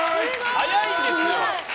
早いんですよ。